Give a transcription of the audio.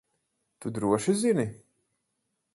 Tu droši zini?